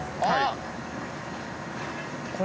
はい。